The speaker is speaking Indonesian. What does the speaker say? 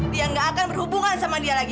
dia gak akan berhubungan sama dia lagi